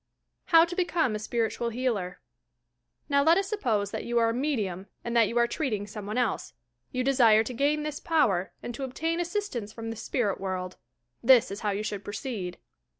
HOW TO BECOME A SPIRITUAL HKALER Now let us suppose that you are a medium, and that you are treating some one else. You desire to gain this power and to obtain assistance from the spirit world. This is how you should proceed.